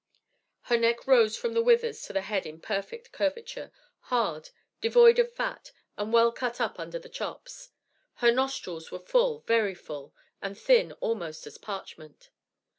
Her neck rose from the withers to the head in perfect curvature, hard, devoid of fat, and well cut up under the chops. Her nostrils were full, very full, and thin almost as parchment.